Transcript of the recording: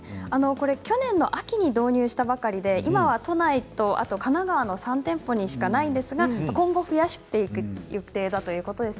これは去年の秋に導入したばかりで今は都内と神奈川の３店舗しかないんですが、今後増やしていく予定だということです。